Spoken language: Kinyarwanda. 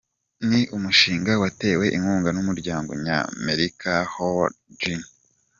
Ni umushinga watewe inkunga n’umuryango Nyamerika Howard G.